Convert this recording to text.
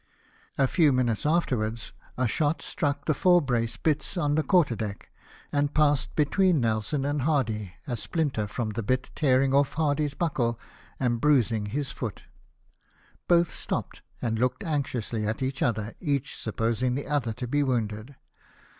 A few minutes afterwards a shot struck the fore brace bits on the quarter deck, and passed between Nelson and Hardy, a spUnter from the bit tearing off Hardy's buckle and bruising his foot. Both stopped, and looked anxiously at each other, each supposing the other to be wounded.